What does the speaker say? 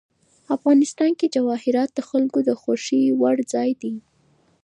افغانستان کې جواهرات د خلکو د خوښې وړ ځای دی.